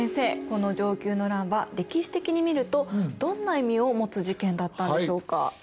この承久の乱は歴史的に見るとどんな意味を持つ事件だったんでしょうか？